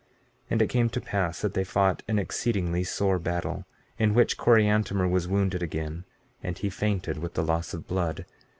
15:9 And it came to pass that they fought an exceedingly sore battle, in which Coriantumr was wounded again, and he fainted with the loss of blood.